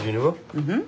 うん。